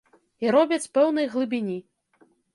І робяць пэўнай глыбіні.